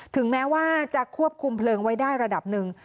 ถึงแม้ว่าจะควบคุมเพลิงไว้ได้ระดับหนึ่ง